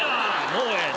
もうええ。